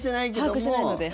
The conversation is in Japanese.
把握してないので。